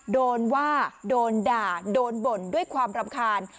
โดนว่าโดนด่าโดนบ่นด้วยความรำคาญ